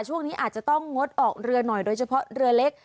ช่วงนี้อาจจะต้องงดออกเรือหน่อยโดยเฉพาะเรือเล็ก